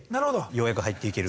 ようやく入っていける。